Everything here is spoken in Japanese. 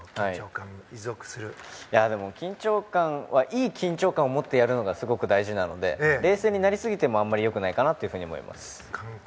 緊張感はいい緊張感を持ってやるのがすごく大事なので冷静になりすぎてもあんまり良くないかなと思います。